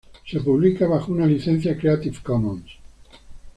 Se publica bajo una licencia Creative Commons.